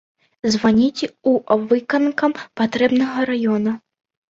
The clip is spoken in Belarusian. Званіце ў выканкам патрэбнага раёна.